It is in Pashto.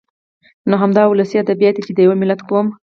نو همدا ولسي ادبيات دي چې د يوه ملت ، قوم